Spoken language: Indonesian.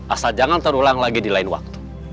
asal jangan terulang lagi di lain waktu